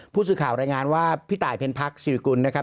ผู้สื่อข่าวรายงานว่าพี่ตายเพ็ญพักศิริกุลนะครับ